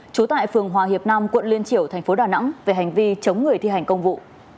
trú tại phường hòa hiệp nam quận liên triểu thành phố đà nẵng về hành vi chống người thi hành công vụ